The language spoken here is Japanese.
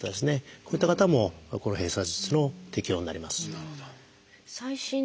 こういった方もこの閉鎖術の適用になります。